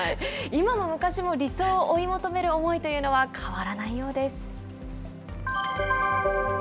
今も昔も理想を追い求める思いというのは変わらないようです。